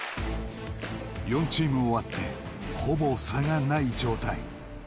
［４チーム終わってほぼ差がない状態］